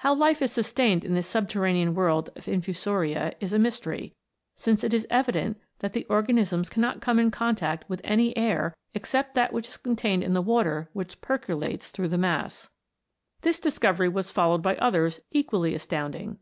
How life is sustained in this subterranean world of infusoria is a mystery, since it is evident that the organisms cannot come in contact with any air ex cept that which is contained in the water which percolates through the mass. This discovery was followed by others equally astounding.